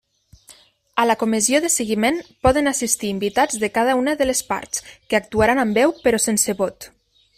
A la Comissió de Seguiment poden assistir invitats de cada una de les parts, que actuaran amb veu però sense vot.